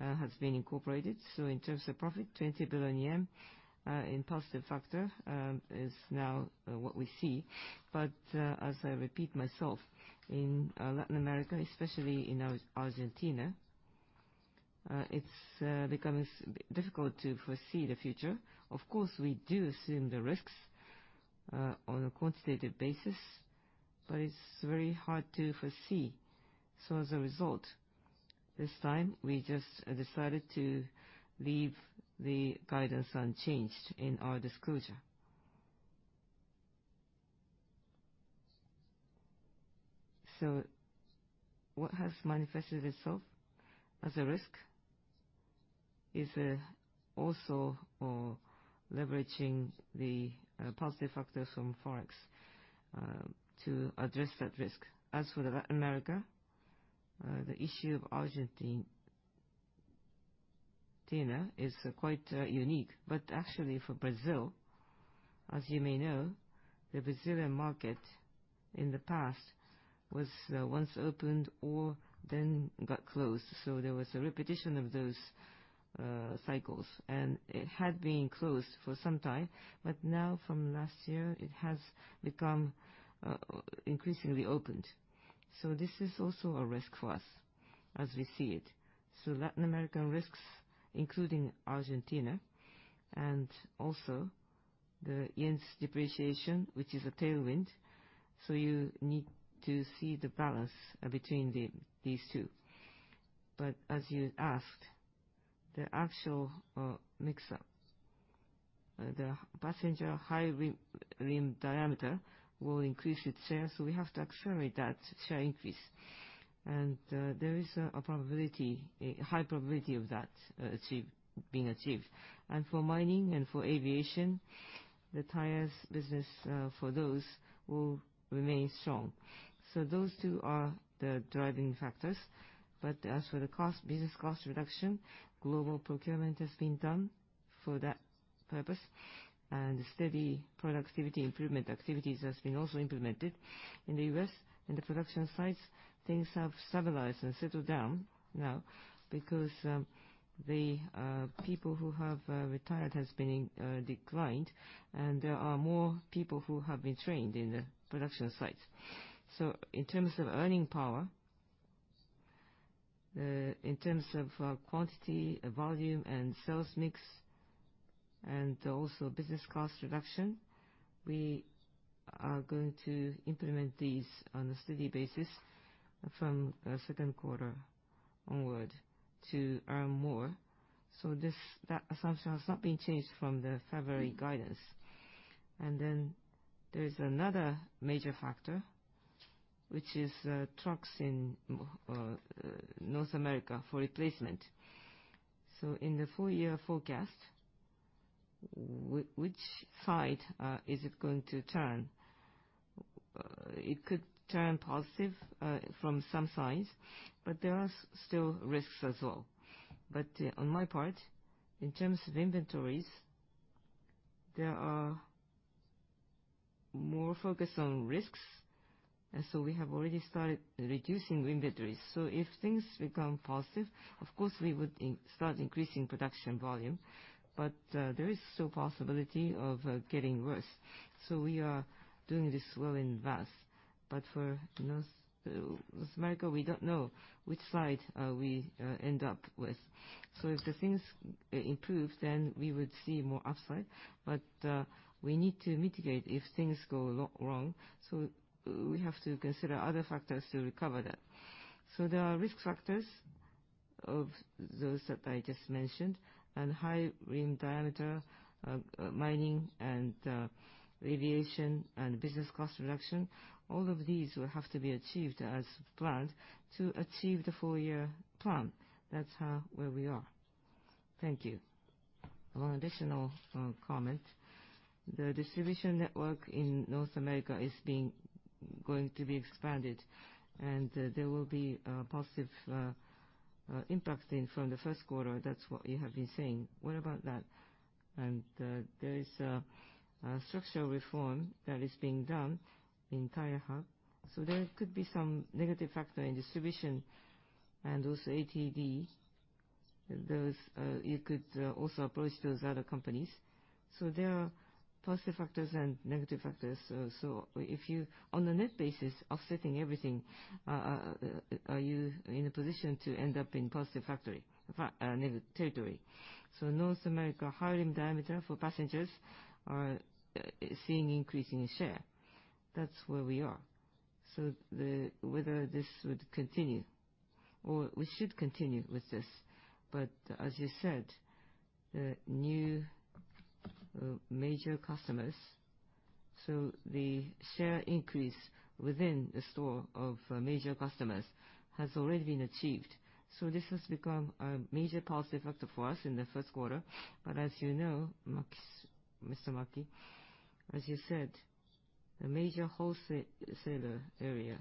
S4: has been incorporated. So in terms of profit, 20 billion yen in positive factor, is now what we see. But, as I repeat myself, in Latin America, especially in Argentina, it's becoming difficult to foresee the future. Of course, we do assume the risks on a quantitative basis, but it's very hard to foresee. So, as a result, this time we just decided to leave the guidance unchanged in our disclosure.
S2: So what has manifested itself as a risk is also leveraging the positive factor from forex to address that risk. As for Latin America, the issue of Argentina is quite unique. But actually, for Brazil, as you may know, the Brazilian market in the past was once opened or then got closed. So there was a repetition of those cycles. And it had been closed for some time, but now, from last year, it has become increasingly opened. So this is also a risk for us as we see it. So Latin American risks, including Argentina and also the yen's depreciation, which is a tailwind. So you need to see the balance between these two. But as you asked, the actual mix, the passenger high rim diameter will increase its share, so we have to accelerate that share increase. And there is a probability, a high probability of that achievement being achieved. And for mining and for aviation, the tires business, for those will remain strong. So those two are the driving factors. But as for the cost, business cost reduction, global procurement has been done for that purpose, and steady productivity improvement activities has been also implemented. In the US, in the production sites, things have stabilized and settled down now because the people who have retired has been declined, and there are more people who have been trained in the production sites. So in terms of earning power, in terms of quantity, volume, and sales mix, and also business cost reduction, we are going to implement these on a steady basis from second quarter onward to earn more. So this that assumption has not been changed from the February guidance. And then there's another major factor, which is trucks in North America for replacement. So in the full-year forecast, which side is it going to turn? It could turn positive from some sides, but there are still risks as well. But on my part, in terms of inventories, there are more focus on risks, and so we have already started reducing inventories. So if things become positive, of course, we would start increasing production volume, but there is still possibility of getting worse. So we are doing this well in advance. But for North America, we don't know which side we end up with. So if things improve, then we would see more upside. But we need to mitigate if things go wrong, so we have to consider other factors to recover that. So there are risk factors of those that I just mentioned, and high rim diameter, mining and aviation and business cost reduction. All of these will have to be achieved as planned to achieve the full-year plan. That's where we are. Thank you.
S7: One additional comment. The distribution network in North America is going to be expanded, and there will be positive impact from the first quarter. That's what you have been saying. What about that? And there is structural reform that is being done in TireHub. So there could be some negative factor in distribution and also ATD. Those you could also approach those other companies. So there are positive factors and negative factors, so if you on a net basis offsetting everything, are you in a position to end up in positive factor, or negative territory?
S2: So North America high rim diameter for passengers are seeing increasing share. That's where we are. So whether this would continue or we should continue with this. But as you said, the new major customers so the share increase within the store of major customers has already been achieved. So this has become a major positive factor for us in the first quarter. But as you know, Mr. Maki, as you said, the major wholesaler area.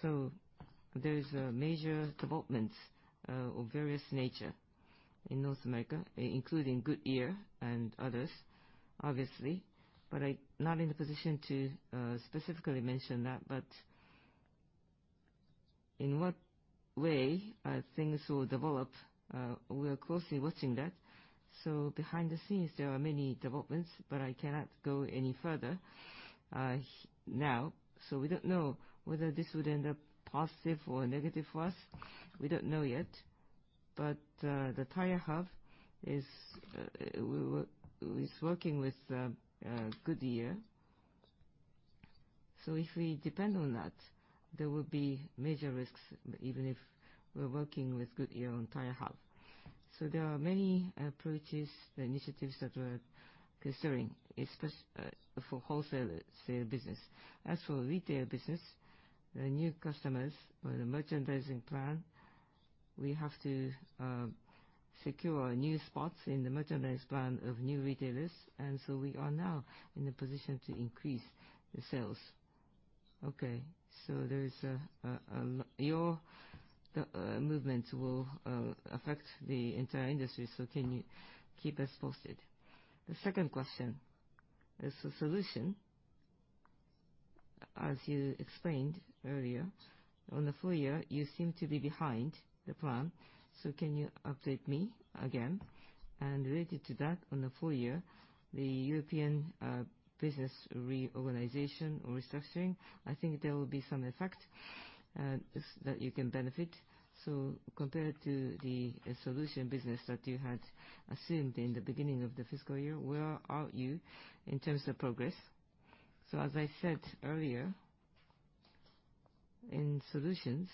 S2: So there is major developments of various nature in North America, including Goodyear and others, obviously, but I am not in the position to specifically mention that. But in what way things will develop, we are closely watching that. So behind the scenes, there are many developments, but I cannot go any further now. So we don't know whether this would end up positive or negative for us. We don't know yet. But the TireHub is, we are working with Goodyear. So if we depend on that, there will be major risks even if we're working with Goodyear on TireHub. So there are many approaches, initiatives that we're considering, especially for wholesale dealer business. As for retail business, the new customers or the merchandising plan, we have to secure new spots in the merchandise plan of new retailers. And so we are now in a position to increase the sales. Okay. So there is a lot of your movements will affect the entire industry, so can you keep us posted?
S7: The second question. As for solutions, as you explained earlier, on the full year, you seem to be behind the plan. So can you update me again? And related to that, on the full year, the European business reorganization or restructuring, I think there will be some effects that you can benefit. So compared to the solutions business that you had assumed in the beginning of the fiscal year, where are you in terms of progress?
S2: So as I said earlier, in solutions,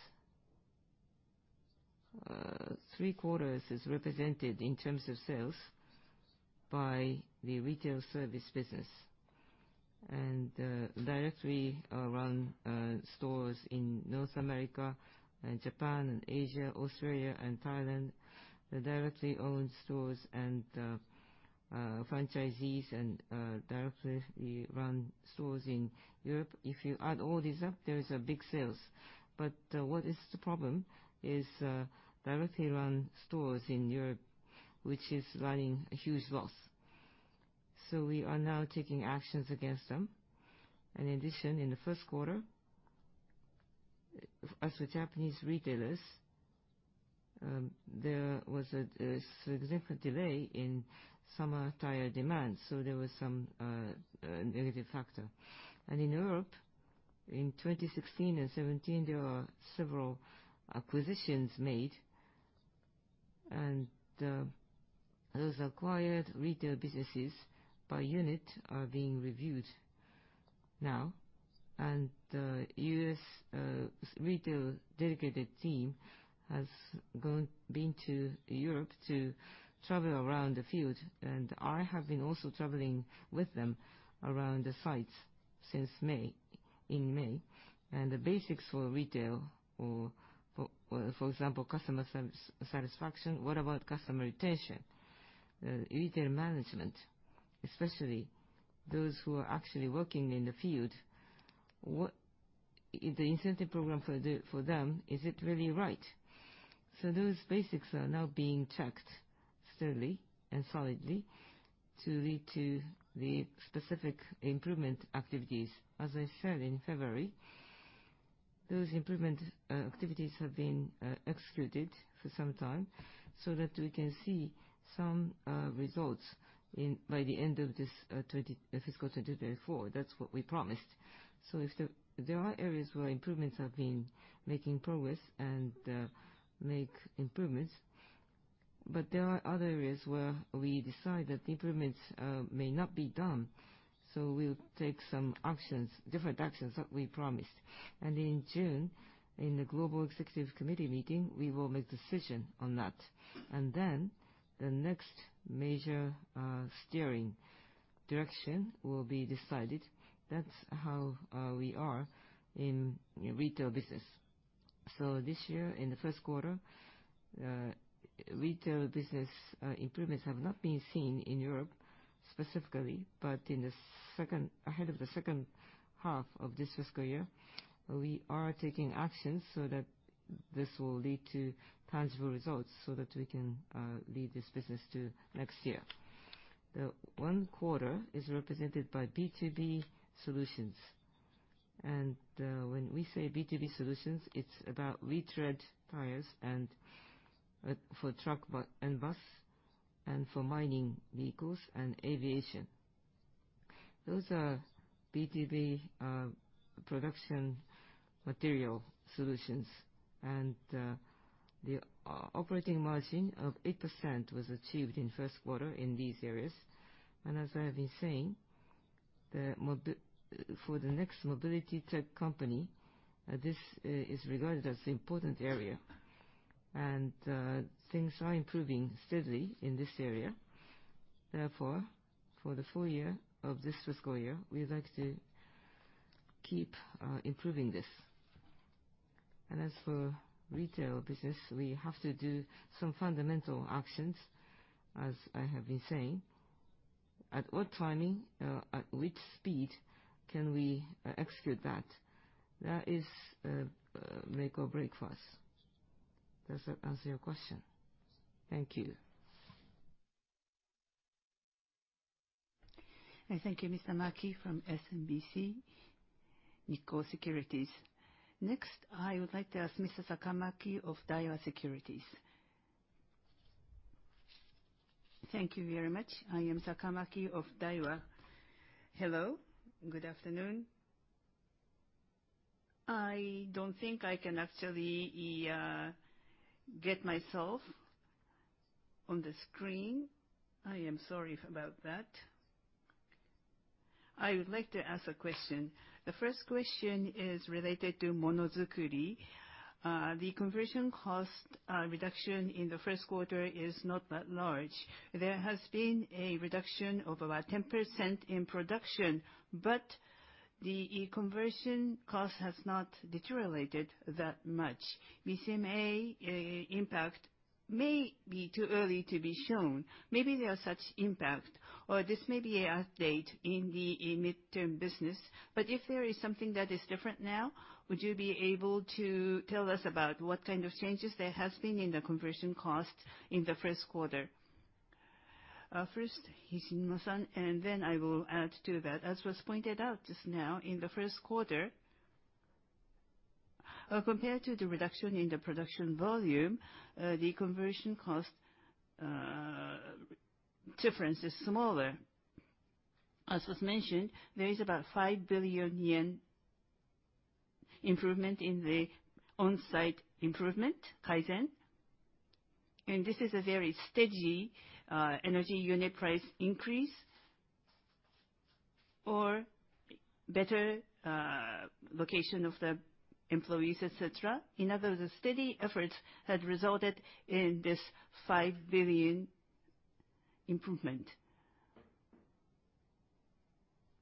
S2: three-quarters is represented in terms of sales by the retail service business. And directly owned stores in North America and Japan and Asia, Australia and Thailand, the directly owned stores and franchisees and directly run stores in Europe, if you add all these up, there is a big sales. But what is the problem is directly run stores in Europe, which is running a huge loss. So we are now taking actions against them. In addition, in the first quarter, as for Japanese retailers, there was a significant delay in summer tire demand, so there was some negative factor. And in Europe, in 2016 and 2017, there were several acquisitions made, and those acquired retail businesses by unit are being reviewed now. And the U.S. retail dedicated team has been to Europe to travel around the field, and I have been also traveling with them around the sites since May. And the basics for retail or for example, customer satisfaction, what about customer retention? Retail management, especially those who are actually working in the field, what is the incentive program for them, is it really right? So those basics are now being checked steadily and solidly to lead to the specific improvement activities. As I said in February, those improvement activities have been executed for some time so that we can see some results by the end of this fiscal 2024. That's what we promised. So if there are areas where improvements have been making progress and make improvements, but there are other areas where we decide that the improvements may not be done, so we'll take some actions, different actions that we promised. And in June, in the global executive committee meeting, we will make decision on that. And then the next major steering direction will be decided. That's how we are in retail business. So this year, in the first quarter, retail business improvements have not been seen in Europe specifically, but ahead of the second half of this fiscal year, we are taking actions so that this will lead to tangible results so that we can lead this business to next year. The one quarter is represented by B2B solutions. And when we say B2B solutions, it's about retread tires and for truck and bus and for mining vehicles and aviation. Those are B2B production material solutions. And the operating margin of 8% was achieved in first quarter in these areas. And as I have been saying, the model for the next mobility tech company, this is regarded as an important area. And things are improving steadily in this area. Therefore, for the full year of this fiscal year, we'd like to keep improving this. As for retail business, we have to do some fundamental actions, as I have been saying. At what timing, at which speed can we execute that? That is, make or break for us. Does that answer your question? Thank you.
S3: Thank you, Mr. Maki, from SMBC Nikko Securities. Next, I would like to ask Mr. Sakamaki of Daiwa Securities.
S8: Thank you very much. I am Sakamaki of Daiwa. Hello. Good afternoon. I don't think I can actually get myself on the screen. I am sorry about that. I would like to ask a question. The first question is related to Monozukuri. The conversion cost reduction in the first quarter is not that large. There has been a reduction of about 10% in production, but the conversion cost has not deteriorated that much. BCMA impact may be too early to be shown. Maybe there is such impact, or this may be an update in the mid-term business. But if there is something that is different now, would you be able to tell us about what kind of changes there has been in the conversion cost in the first quarter?
S4: First, Hishinuma-san, and then I will add to that. As was pointed out just now, in the first quarter, compared to the reduction in the production volume, the conversion cost reduction difference is smaller. As was mentioned, there is about 5 billion yen improvement in the on-site improvement, kaizen. And this is a very steady, energy unit price increase or better allocation of the employees, etc. In other words, a steady effort that resulted in this 5 billion improvement.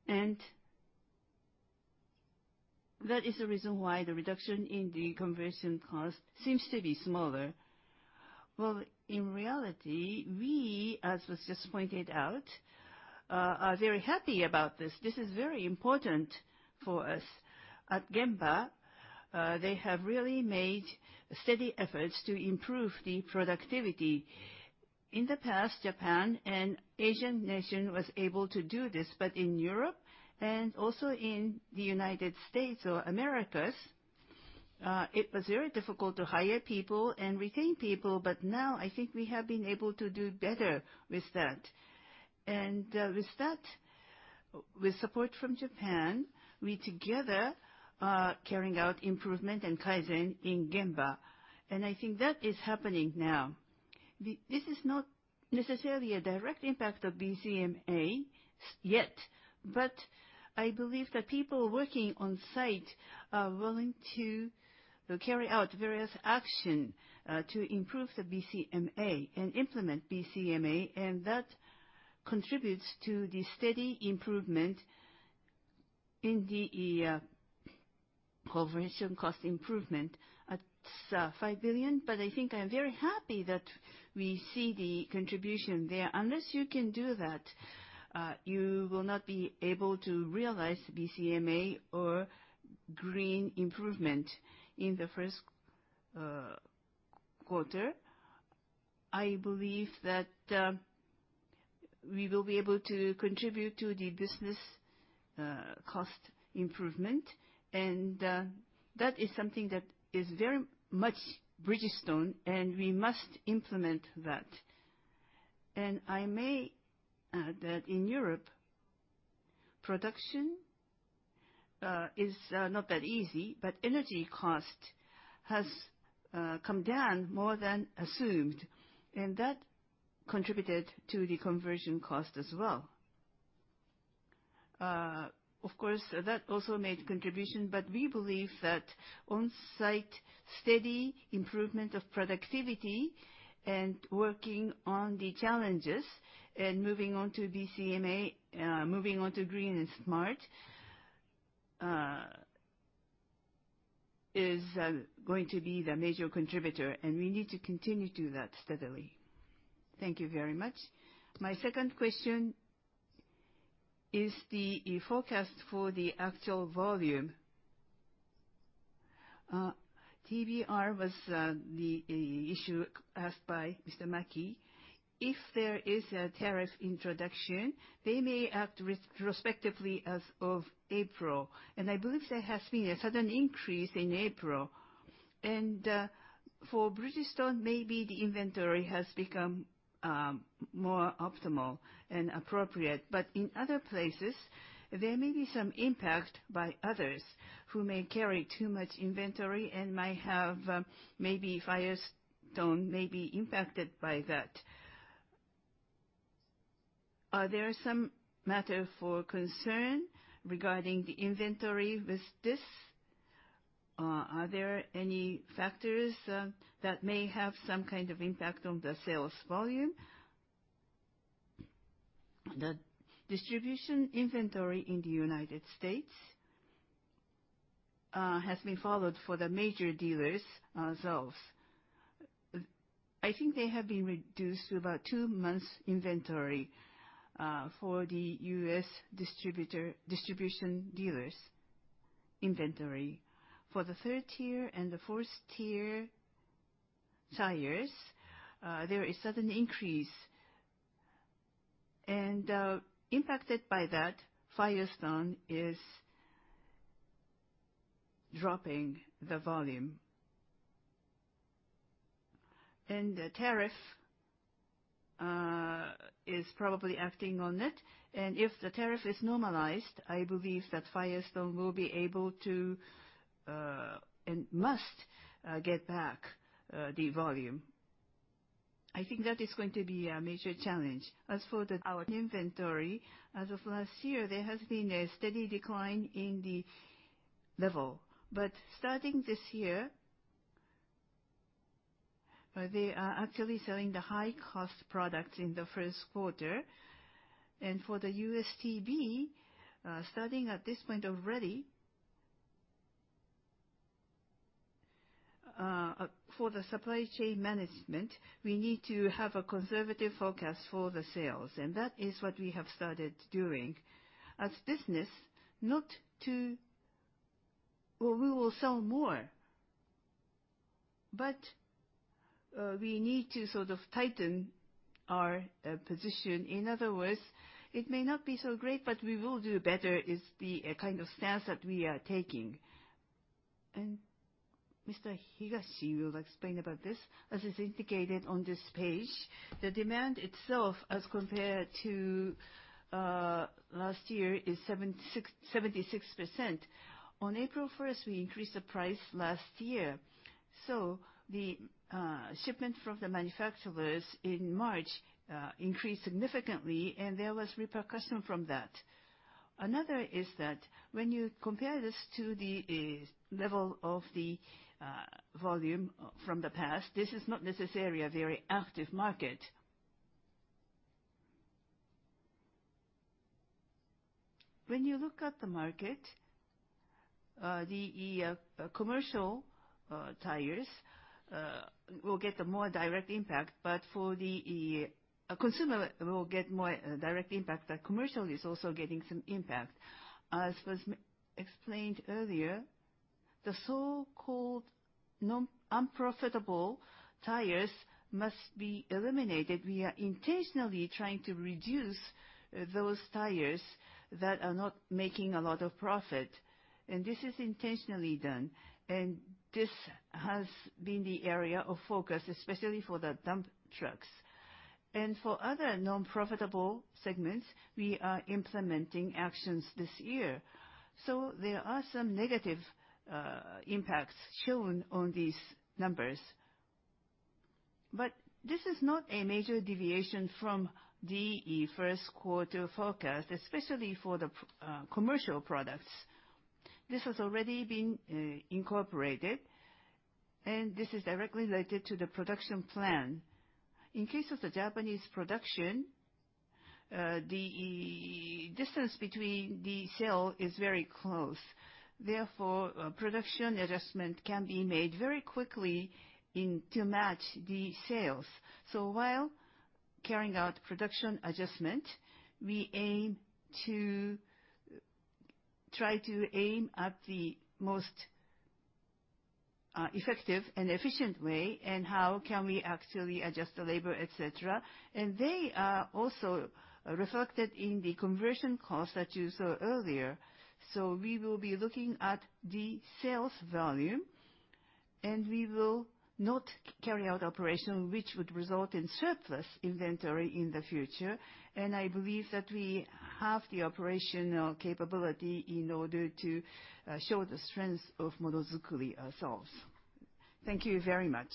S4: And that is the reason why the reduction in the conversion cost seems to be smaller. Well, in reality, we, as was just pointed out, are very happy about this. This is very important for us. At Genba, they have really made steady efforts to improve the productivity. In the past, Japan and Asian nation was able to do this, but in Europe and also in the United States or Americas, it was very difficult to hire people and retain people. But now, I think we have been able to do better with that. And, with that, with support from Japan, we together, carrying out improvement and kaizen in Genba. And I think that is happening now. This is not necessarily a direct impact of BCMA's yet, but I believe that people working on-site are willing to, carry out various action, to improve the BCMA and implement BCMA. And that contributes to the steady improvement in the, conversion cost improvement at 5 billion. But I think I am very happy that we see the contribution there. Unless you can do that, you will not be able to realize BCMA or green improvement in the first quarter. I believe that we will be able to contribute to the business cost improvement. And that is something that is very much Bridgestone, and we must implement that. And I may add that in Europe, production is not that easy, but energy cost has come down more than assumed. And that contributed to the conversion cost as well. Of course, that also made contribution, but we believe that on-site steady improvement of productivity and working on the challenges and moving on to BCMA, moving on to Green and Smart, is going to be the major contributor. And we need to continue to do that steadily. Thank you very much. My second question is the forecast for the actual volume. TBR was the issue asked by Mr. Maki. If there is a tariff introduction, they may act retrospectively as of April. I believe there has been a sudden increase in April. For Bridgestone, maybe the inventory has become more optimal and appropriate. But in other places, there may be some impact by others who may carry too much inventory and might have, maybe Firestone may be impacted by that.
S8: Are there some matters for concern regarding the inventory with this? Are there any factors that may have some kind of impact on the sales volume?
S2: The distribution inventory in the United States has been followed for the major dealers' sales. I think they have been reduced to about two months inventory for the U.S. distributor distribution dealers inventory. For the third tier and the fourth tier tires, there is sudden increase. Impacted by that, Firestone is dropping the volume. The tariff is probably acting on it. And if the tariff is normalized, I believe that Firestone will be able to, and must, get back the volume. I think that is going to be a major challenge. As for our inventory, as of last year, there has been a steady decline in the level. But starting this year, they are actually selling the high-cost products in the first quarter. And for the U.S. TB, starting at this point already, for the supply chain management, we need to have a conservative forecast for the sales. And that is what we have started doing. As business not too well, we will sell more, but we need to sort of tighten our position. In other words, it may not be so great, but we will do better is the kind of stance that we are taking. And Mr. Higashi will explain about this. As is indicated on this page, the demand itself as compared to last year is 76%. On April 1st, we increased the price last year. So the shipment from the manufacturers in March increased significantly, and there was repercussion from that. Another is that when you compare this to the level of the volume from the past, this is not necessarily a very active market. When you look at the market, the commercial tires will get the more direct impact. But for the consumer tires will get more direct impact. The commercial is also getting some impact. As was mentioned earlier, the so-called unprofitable tires must be eliminated. We are intentionally trying to reduce those tires that are not making a lot of profit. And this is intentionally done. And this has been the area of focus, especially for the dump trucks. For other nonprofitable segments, we are implementing actions this year. So there are some negative impacts shown on these numbers. But this is not a major deviation from the first quarter forecast, especially for the premium commercial products. This has already been incorporated, and this is directly related to the production plan. In case of the Japanese production, the distance between sales and production is very close. Therefore, production adjustment can be made very quickly in order to match the sales. So while carrying out production adjustment, we aim to try to aim at the most effective and efficient way, and how can we actually adjust the labor, etc. And they are also reflected in the conversion cost that you saw earlier. So we will be looking at the sales volume, and we will not carry out operation, which would result in surplus inventory in the future. I believe that we have the operational capability in order to show the strength of Monozukuri ourselves. Thank you very much.